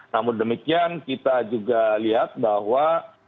namun demikian kita juga lihat bahwa